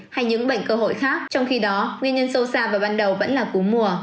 hay những bệnh cơ hội khác trong khi đó nguyên nhân sâu xa vào ban đầu vẫn là cú mùa